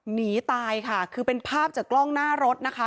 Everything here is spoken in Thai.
หนีตายค่ะคือเป็นภาพจากกล้องหน้ารถนะคะ